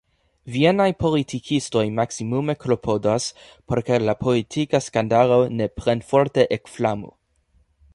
Vienaj politikistoj maksimume klopodas, por ke la politika skandalo ne plenforte ekflamu.